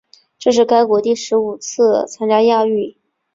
这是该国第十五次参加亚运。